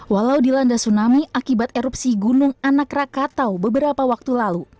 walau dilanda tsunami akibat erupsi gunung anak rakatau beberapa waktu lalu